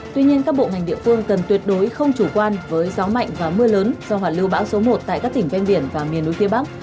tuy nhiên các bộ ngành địa phương cần tuyệt đối không chủ quan với gió mạnh và mưa lớn do hoàn lưu bão số một tại các tỉnh ven biển và miền núi phía bắc